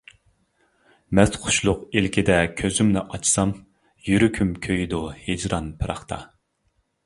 مەستخۇشلۇق ئىلكىدە كۆزۈمنى ئاچسام، يۈرىكىم كۆيىدۇ ھىجران پىراقتا.